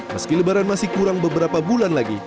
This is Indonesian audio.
meski lebaran masih kurang beberapa bulan lagi